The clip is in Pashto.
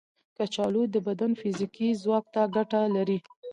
کچالو د بدن فزیکي ځواک ته ګټه لري.